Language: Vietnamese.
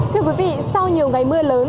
thưa quý vị sau nhiều ngày mưa lớn